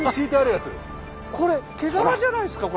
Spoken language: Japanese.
これ毛皮じゃないですか？